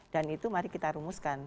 dan itu mari kita rumuskan